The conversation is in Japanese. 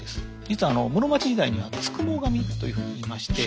実はあの室町時代には「付喪神」というふうにいいまして。